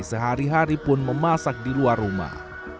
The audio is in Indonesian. sehari hari pun memasak di luar rumah